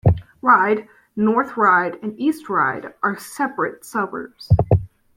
Ryde, North Ryde and East Ryde are separate suburbs.